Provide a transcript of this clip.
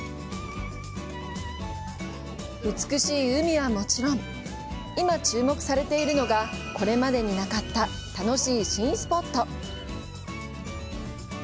美しい海はもちろん、今、注目されているのが、これまでになかった楽しい新スポット！